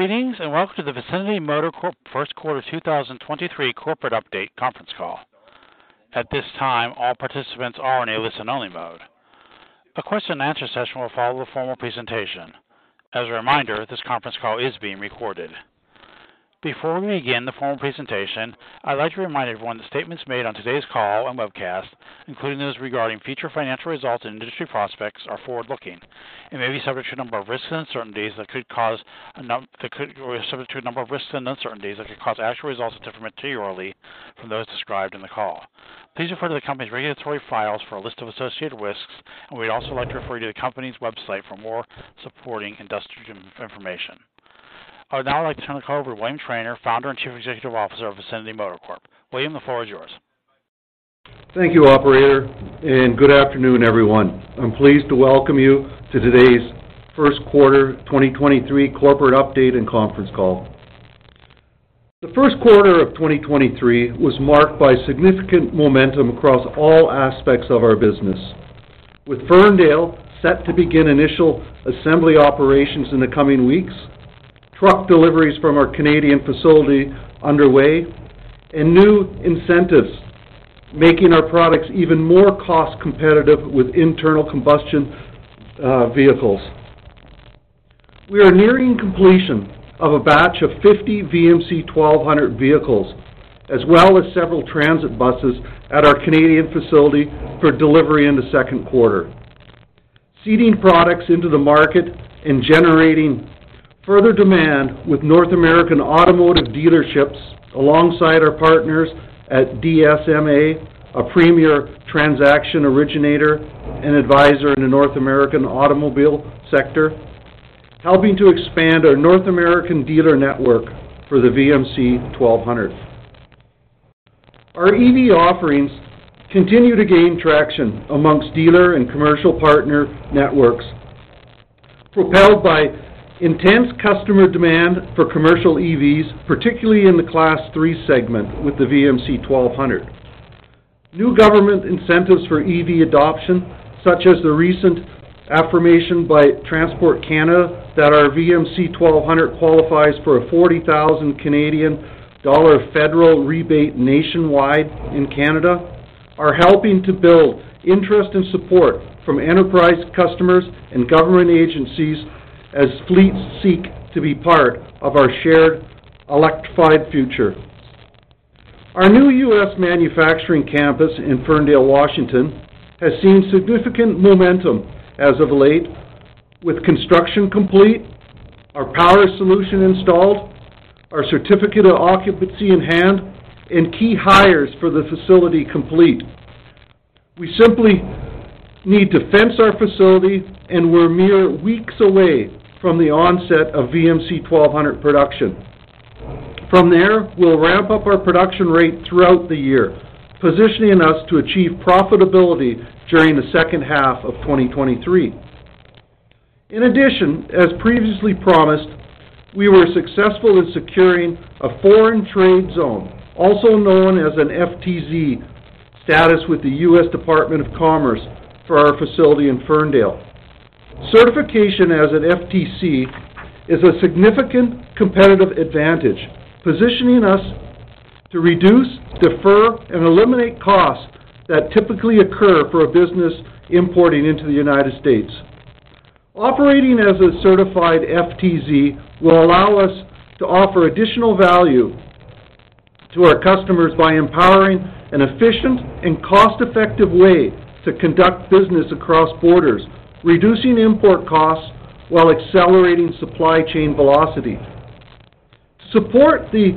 Good evening, welcome to the Vicinity Motor Corp. First Quarter 2023 Corporate Update Conference Call. At this time, all participants are in a listen-only mode. A question-and-answer session will follow the formal presentation. As a reminder, this conference call is being recorded. Before we begin the formal presentation, I'd like to remind everyone that statements made on today's call and webcast, including those regarding future financial results and industry prospects, are forward-looking and may be subject to a number of risks and uncertainties that could cause actual results to differ materially from those described in the call. Please refer to the company's regulatory files for a list of associated risks. We'd also like to refer you to the company's website for more supporting industrial information. I would now like to turn the call over to William Trainer, Founder and Chief Executive Officer of Vicinity Motor Corp. William, the floor is yours. Thank you, operator, and good afternoon, everyone. I'm pleased to welcome you to today's first quarter 2023 corporate update and conference call. The first quarter of 2023 was marked by significant momentum across all aspects of our business. With Ferndale set to begin initial assembly operations in the coming weeks, truck deliveries from our Canadian facility underway, and new incentives making our products even more cost-competitive with internal combustion vehicles. We are nearing completion of a batch of 50 VMC 1200 vehicles, as well as several transit buses at our Canadian facility for delivery in the second quarter. Seeding products into the market and generating further demand with North American automotive dealerships alongside our partners at DSMA, a premier transaction originator and advisor in the North American automobile sector, helping to expand our North American dealer network for the VMC 1200. Our EV offerings continue to gain traction amongst dealer and commercial partner networks, propelled by intense customer demand for commercial EVs, particularly in the Class 3 segment with the VMC 1200. New government incentives for EV adoption, such as the recent affirmation by Transport Canada that our VMC 1200 qualifies for a 40,000 Canadian dollar federal rebate nationwide in Canada, are helping to build interest and support from enterprise customers and government agencies as fleets seek to be part of our shared electrified future. Our new U.S. manufacturing campus in Ferndale, Washington, has seen significant momentum as of late with construction complete, our power solution installed, our certificate of occupancy in hand, and key hires for the facility complete. We simply need to fence our facility, we're mere weeks away from the onset of VMC 1200 production. From there, we'll ramp up our production rate throughout the year, positioning us to achieve profitability during the second half of 2023. In addition, as previously promised, we were successful in securing a Foreign-Trade Zone, also known as an FTZ status with the U.S. Department of Commerce for our facility in Ferndale. Certification as an FTZ is a significant competitive advantage, positioning us to reduce, defer, and eliminate costs that typically occur for a business importing into the United States. Operating as a certified FTZ will allow us to offer additional value to our customers by empowering an efficient and cost-effective way to conduct business across borders, reducing import costs while accelerating supply chain velocity. Support the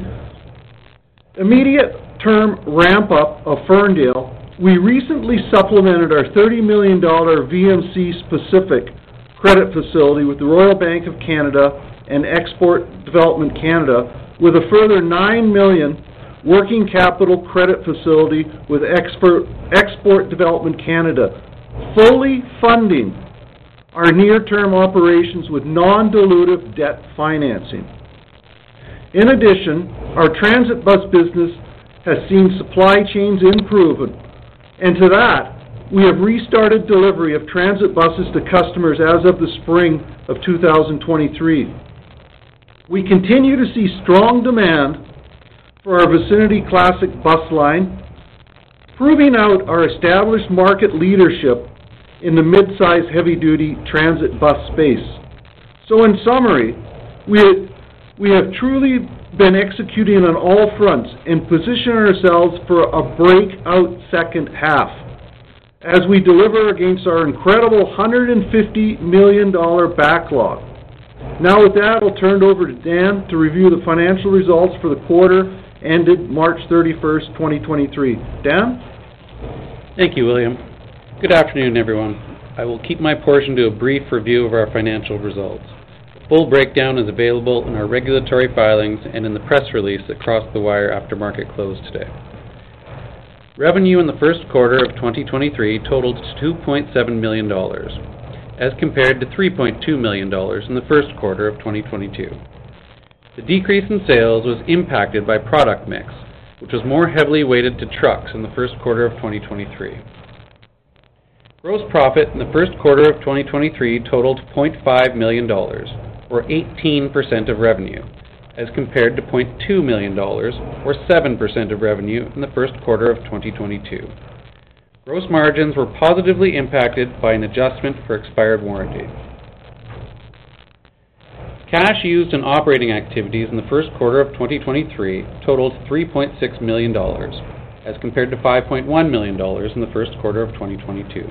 immediate term ramp-up of Ferndale, we recently supplemented our $30 million VMC-specific credit facility with the Royal Bank of Canada and Export Development Canada, with a further $9 million working capital credit facility with Export Development Canada, fully funding our near-term operations with non-dilutive debt financing. In addition, our transit bus business has seen supply chains improve. To that, we have restarted delivery of transit buses to customers as of the spring of 2023. We continue to see strong demand for our Vicinity Classic bus line, proving out our established market leadership in the midsize heavy-duty transit bus space. In summary, we have truly been executing on all fronts and positioning ourselves for a breakout second half as we deliver against our incredible $150 million backlog. With that, I'll turn it over to Dan to review the financial results for the quarter ended March thirty-first, 2023. Dan? Thank you, William. Good afternoon, everyone. I will keep my portion to a brief review of our financial results. Full breakdown is available in our regulatory filings and in the press release that crossed the wire after market close today. Revenue in the first quarter of 2023 totaled $2.7 million as compared to $3.2 million in the first quarter of 2022. The decrease in sales was impacted by product mix, which was more heavily weighted to trucks in the first quarter of 2023. Gross profit in the first quarter of 2023 totaled $0.5 million or 18% of revenue as compared to $0.2 million or 7% of revenue in the first quarter of 2022. Gross margins were positively impacted by an adjustment for expired warranty. Cash used in operating activities in the first quarter of 2023 totaled $3.6 million as compared to $5.1 million in the first quarter of 2022.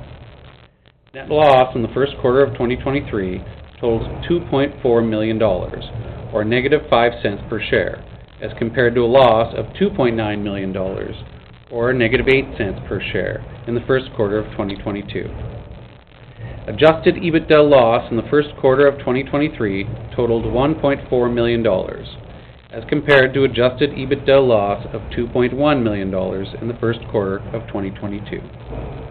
Net loss in the first quarter of 2023 totals $2.4 million or -$0.05 per share as compared to a loss of $2.9 million or a -$0.08 per share in the first quarter of 2022. Adjusted EBITDA loss in the first quarter of 2023 totaled $1.4 million as compared to adjusted EBITDA loss of $2.1 million in the first quarter of 2022.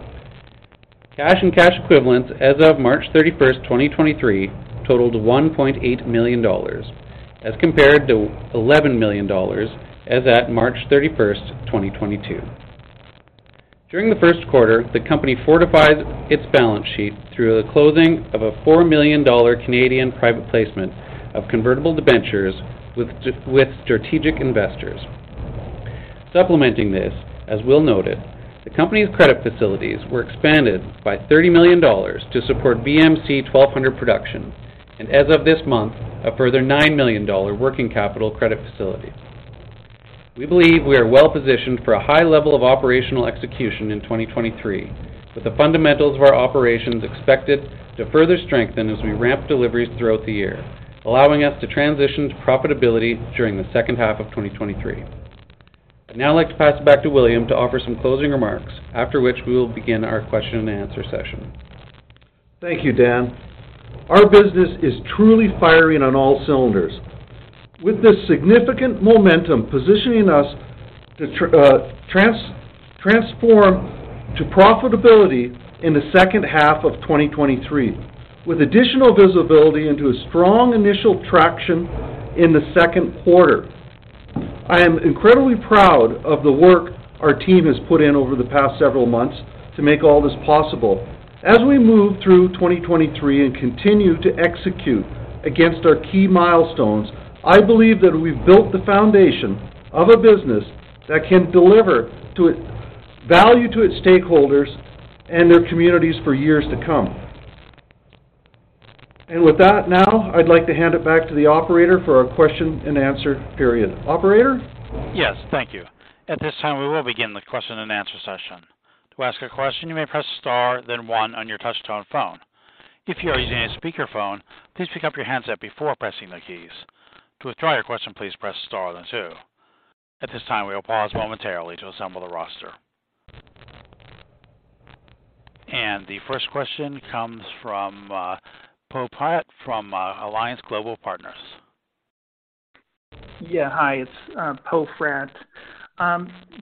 Cash and cash equivalents as of March 31st, 2023 totaled $1.8 million as compared to $11 million as at March 31st, 2022. During the first quarter, the company fortified its balance sheet through the closing of a 4 million Canadian dollars private placement of convertible debentures with strategic investors. Supplementing this, as Will noted, the company's credit facilities were expanded by $30 million to support VMC 1200 production, and as of this month, a further $9 million working capital credit facility. We believe we are well positioned for a high level of operational execution in 2023, with the fundamentals of our operations expected to further strengthen as we ramp deliveries throughout the year, allowing us to transition to profitability during the second half of 2023. I'd now like to pass it back to William to offer some closing remarks, after which we will begin our question and answer session. Thank you, Dan. Our business is truly firing on all cylinders. With this significant momentum positioning us to transform to profitability in the second half of 2023, with additional visibility into a strong initial traction in the second quarter. I am incredibly proud of the work our team has put in over the past several months to make all this possible. As we move through 2023 and continue to execute against our key milestones, I believe that we've built the foundation of a business that can deliver value to its stakeholders and their communities for years to come. With that, now I'd like to hand it back to the Operator for our question and answer period. Operator? Yes. Thank you. At this time, we will begin the question and answer session. To ask a question, you may press star then one on your touch-tone phone. If you are using a speakerphone, please pick up your handset before pressing the keys. To withdraw your question, please press star then two. At this time, we will pause momentarily to assemble the roster. The first question comes from Poe Fratt from Alliance Global Partners. Yeah. Hi, it's Poe Fratt.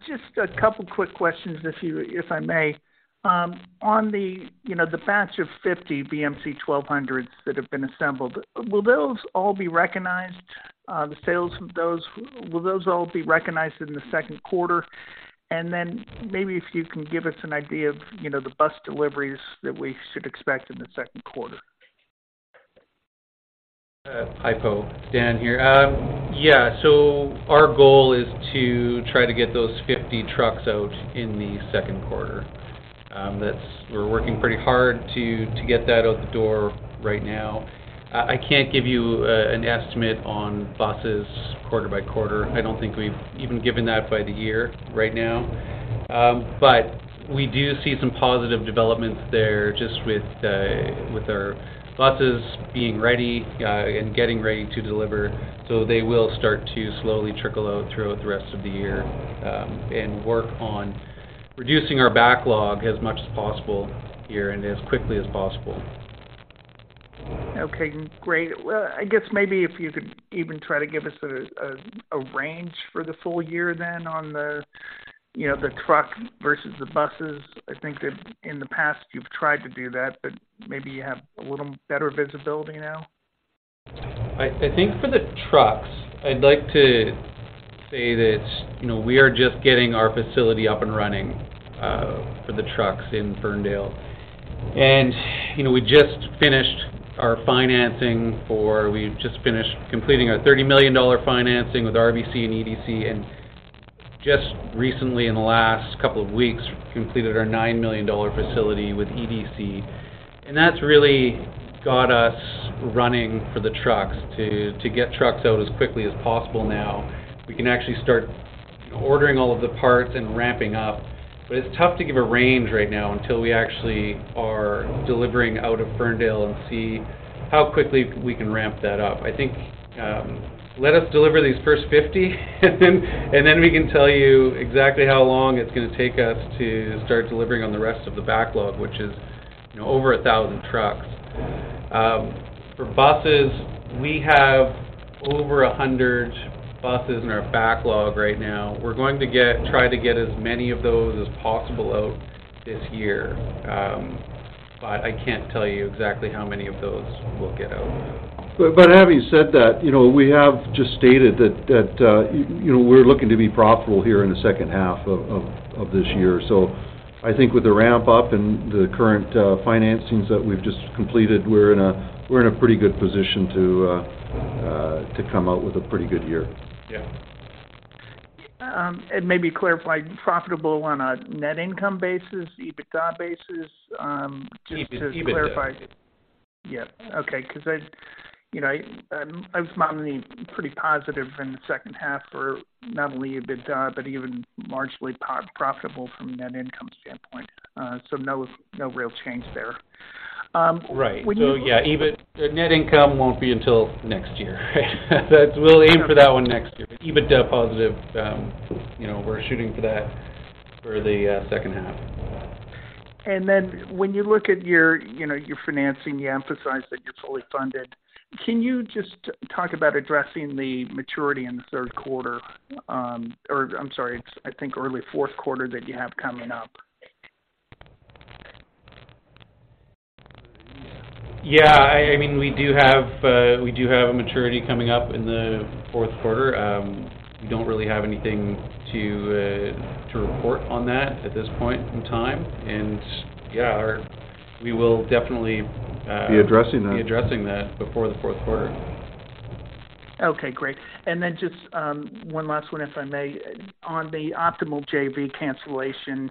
Just a couple quick questions if I may. On the, you know, the batch of 50 VMC 1200s that have been assembled, will those all be recognized, the sales of those, will those all be recognized in the second quarter? Maybe if you can give us an idea of, you know, the bus deliveries that we should expect in the second quarter. Hi, Poe. Dan here. Yeah. Our goal is to try to get those 50 trucks out in the second quarter. We're working pretty hard to get that out the door right now. I can't give you an estimate on buses quarter by quarter. I don't think we've even given that by the year right now. We do see some positive developments there just with our buses being ready and getting ready to deliver. They will start to slowly trickle out throughout the rest of the year and work on reducing our backlog as much as possible here and as quickly as possible. Okay, great. Well, I guess maybe if you could even try to give us a range for the full year then on the, you know, the truck versus the buses? I think that in the past you've tried to do that, but maybe you have a little better visibility now. I think for the trucks, I'd like to say that, you know, we are just getting our facility up and running for the trucks in Ferndale. You know, we've just finished completing our $30 million financing with RBC and EDC, and just recently in the last couple of weeks, completed our $9 million facility with EDC. That's really got us running for the trucks to get trucks out as quickly as possible now. We can actually start ordering all of the parts and ramping up, but it's tough to give a range right now until we actually are delivering out of Ferndale and see how quickly we can ramp that up. I think, let us deliver these first 50, and then we can tell you exactly how long it's going to take us to start delivering on the rest of the backlog, which is, you know, over 1,000 trucks. For buses, we have over 100 buses in our backlog right now. We try to get as many of those as possible out this year. I can't tell you exactly how many of those will get out. Having said that, you know, we have just stated that, you know, we're looking to be profitable here in the second half of this year. I think with the ramp up and the current financings that we've just completed, we're in a pretty good position to come out with a pretty good year. Yeah. Maybe clarify, profitable on a net income basis, EBITDA basis? EBIT, EBITDA. Just to clarify. Yeah. Okay. Because I, you know, I was nominally pretty positive in the second half for not only EBITDA, but even marginally pro-profitable from a net income standpoint. No, no real change there. Right. Yeah, net income won't be until next year, right? That's. We'll aim for that one next year. EBITDA positive, you know, we're shooting for that for the second half. When you look at your, you know, your financing, you emphasize that you're fully funded. Can you just talk about addressing the maturity in the third quarter, or I'm sorry, it's I think early fourth quarter that you have coming up? Yeah. I mean, we do have a maturity coming up in the fourth quarter. We don't really have anything to report on that at this point in time. Yeah, our. We will definitely. Be addressing that. be addressing that before the fourth quarter. Okay, great. Then just one last one, if I may. On the Optimal-EV JV cancellation,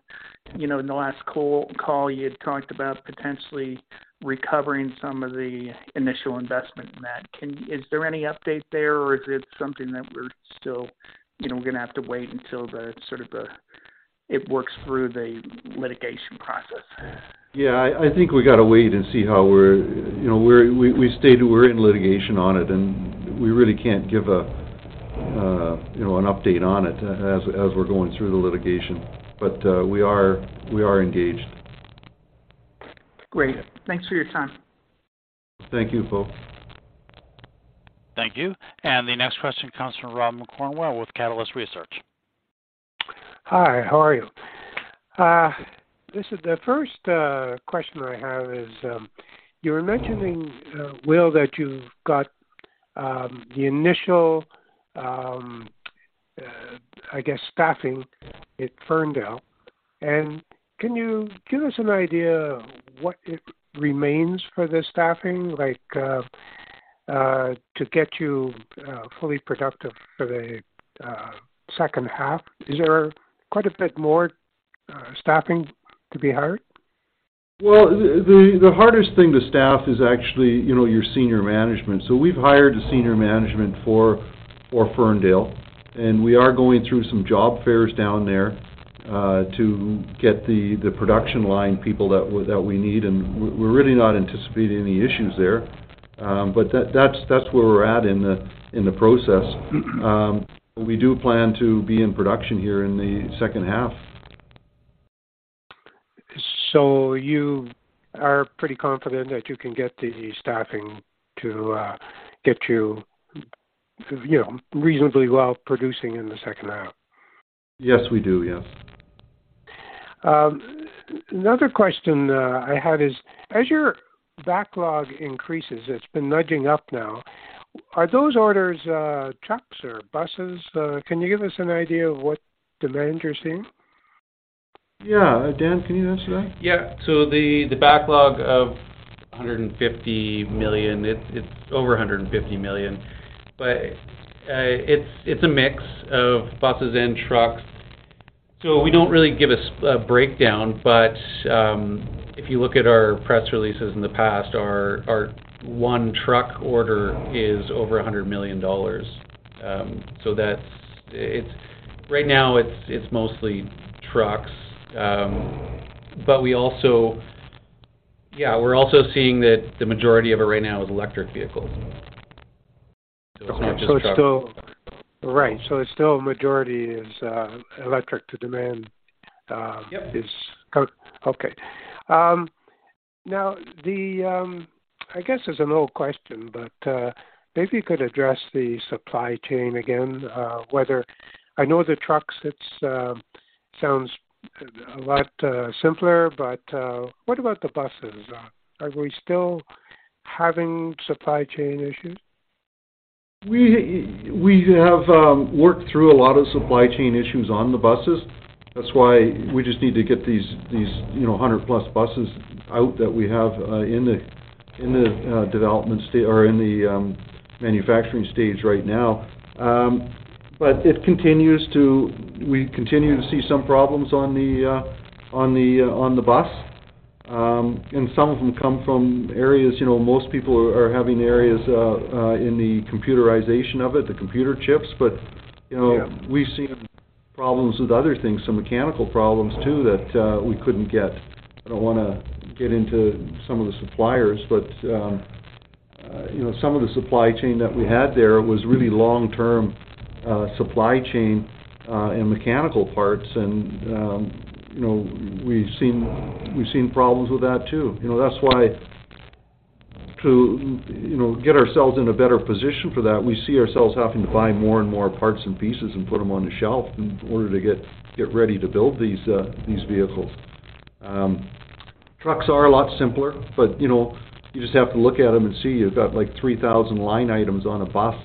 you know, in the last call, you had talked about potentially recovering some of the initial investment in that. Is there any update there, or is it something that we're still, you know, gonna have to wait until the sort of the it works through the litigation process? Yeah. I think we gotta wait and see how we're. You know, we stated we're in litigation on it, and we really can't give a, you know, an update on it as we're going through the litigation. We are engaged. Great. Thanks for your time. Thank you, Poe. Thank you. The next question comes from Robin Cornwell with Catalyst Research. Hi, how are you? The first question I have is, you were mentioning, Will, that you've got the initial, I guess, staffing at Ferndale. Can you give us an idea what it remains for the staffing, like, to get you fully productive for the second half? Is there quite a bit more staffing to be hired? The hardest thing to staff is actually, you know, your senior management. We've hired a senior management for Ferndale, and we are going through some job fairs down there to get the production line people that we need, and we're really not anticipating any issues there. That's where we're at in the process. We do plan to be in production here in the second half. You are pretty confident that you can get the staffing to get you know, reasonably well producing in the second half? Yes, we do. Yes. Another question, I had is, as your backlog increases, it's been nudging up now. Are those orders, trucks or buses? Can you give us an idea of what demand you're seeing? Yeah. Dan, can you answer that? Yeah. The backlog of $150 million, it's over $150 million, it's a mix of buses and trucks. We don't really give a breakdown, if you look at our press releases in the past, our one truck order is over $100 million. Right now it's mostly trucks. We're also seeing that the majority of it right now is electric vehicles. Not just trucks. It's still... Right. It's still a majority is electric to demand. Yep. Okay. Now the... I guess it's an old question, but, maybe you could address the supply chain again. Whether... I know the trucks, it's, sounds a lot simpler, but, what about the buses? Are we still having supply chain issues? We have worked through a lot of supply chain issues on the buses. That's why we just need to get these, you know, 100+ buses out that we have in the development or in the manufacturing stage right now. We continue to see some problems on the bus. Some of them come from areas, you know, most people are having areas in the computerization of it, the computer chips. You know. Yeah. We've seen problems with other things, some mechanical problems too that we couldn't get. I don't wanna get into some of the suppliers, but, you know, some of the supply chain that we had there was really long-term supply chain and mechanical parts and, you know, we've seen problems with that too. That's why to, you know, get ourselves in a better position for that, we see ourselves having to buy more and more parts and pieces and put them on the shelf in order to get ready to build these vehicles. Trucks are a lot simpler, you know, you just have to look at them and see you've got like 3,000 line items on a bus.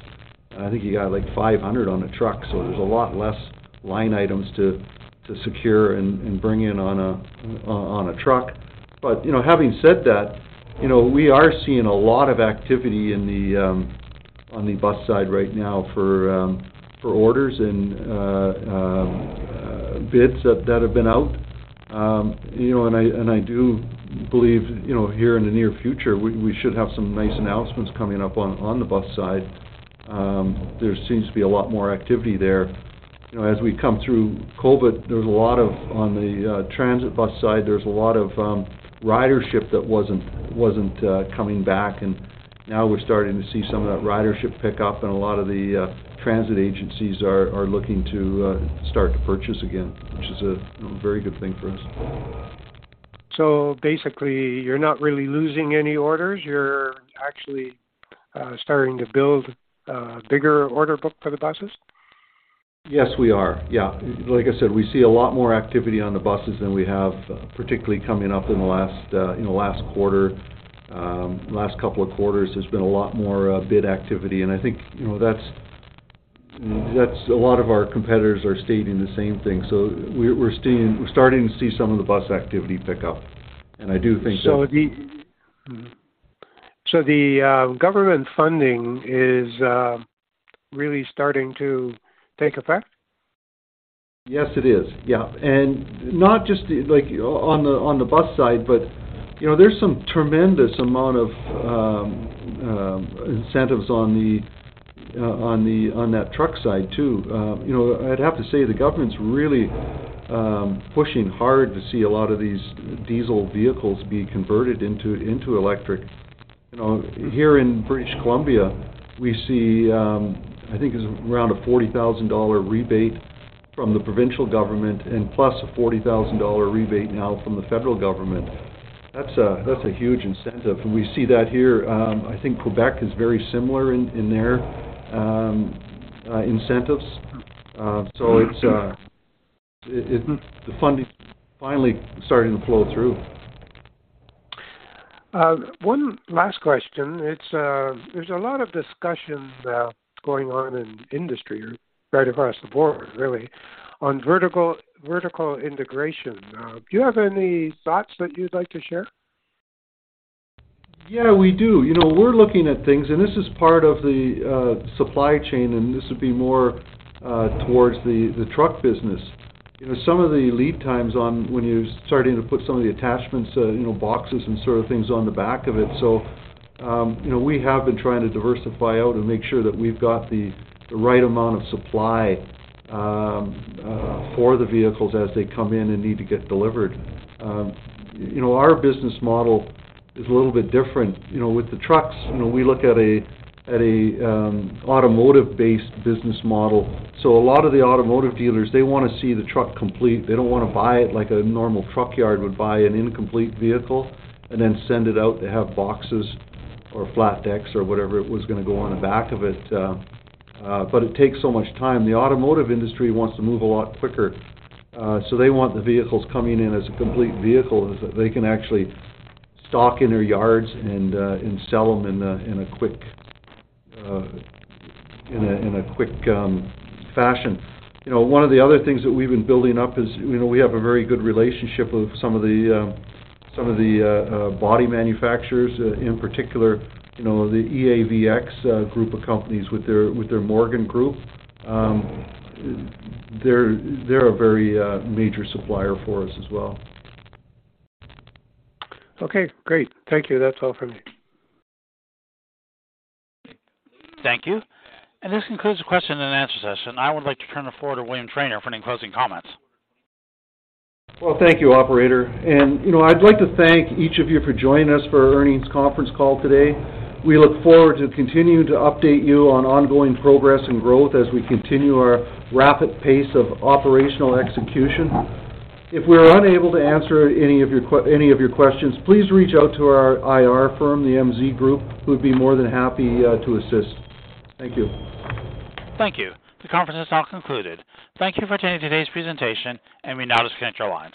I think you got like 500 on a truck. There's a lot less line items to secure and bring in on a truck. You know, having said that, you know, we are seeing a lot of activity in the on the bus side right now for orders and bids that have been out. You know, and I do believe, you know, here in the near future, we should have some nice announcements coming up on the bus side. There seems to be a lot more activity there. You know, as we come through COVID, there's a lot of... On the transit bus side, there's a lot of ridership that wasn't coming back, and now we're starting to see some of that ridership pick up and a lot of the transit agencies are looking to start to purchase again, which is a, you know, very good thing for us. Basically, you're not really losing any orders. You're actually starting to build a bigger order book for the buses. Yes, we are. Yeah. Like I said, we see a lot more activity on the buses than we have, particularly coming up in the last, in the last quarter. Last couple of quarters has been a lot more bid activity. I think, you know, that's a lot of our competitors are stating the same thing. We're starting to see some of the bus activity pick up. I do think. So the- Mm-hmm. The government funding is really starting to take effect. Yes, it is. Yeah. Not just like on the bus side, but, you know, there's some tremendous amount of incentives on the truck side, too. You know, I'd have to say the government's really pushing hard to see a lot of these diesel vehicles being converted into electric. You know, here in British Columbia, we see, I think it's around a 40,000 dollar rebate from the provincial government and plus a 40,000 dollar rebate now from the federal government. That's a huge incentive. We see that here. I think Quebec is very similar in their incentives. Mm-hmm. The funding finally starting to flow through. One last question. There's a lot of discussions, going on in industry right across the board really, on vertical integration. Do you have any thoughts that you'd like to share? We do. You know, we're looking at things, and this is part of the supply chain, and this would be more towards the truck business. You know, some of the lead times on when you're starting to put some of the attachments, you know, boxes and sort of things on the back of it. You know, we have been trying to diversify out and make sure that we've got the right amount of supply for the vehicles as they come in and need to get delivered. You know, our business model is a little bit different. You know, with the trucks, you know, we look at a, at a automotive-based business model. A lot of the automotive dealers, they wanna see the truck complete. They don't wanna buy it like a normal truck yard would buy an incomplete vehicle and then send it out to have boxes or flat decks or whatever it was gonna go on the back of it. It takes so much time. The automotive industry wants to move a lot quicker. They want the vehicles coming in as a complete vehicle as they can actually stock in their yards and sell them in a quick fashion. You know, one of the other things that we've been building up is, you know, we have a very good relationship with some of the body manufacturers, in particular, you know, the EAVX group of companies with their Morgan Group. They're a very, major supplier for us as well. Okay, great. Thank you. That's all for me. Thank you. This concludes the question and answer session. I would like to turn the floor to William Trainer for any closing comments. Well, thank you, operator. You know, I'd like to thank each of you for joining us for our earnings conference call today. We look forward to continuing to update you on ongoing progress and growth as we continue our rapid pace of operational execution. If we are unable to answer any of your questions, please reach out to our IR firm, the MZ Group, who would be more than happy to assist. Thank you. Thank you. The conference is now concluded. Thank you for attending today's presentation. We now disconnect your lines.